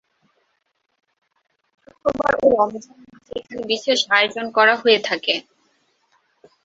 শুক্রবার ও রমজান মাসে এখানে বিশেষ আয়োজন করা হয়ে থাকে।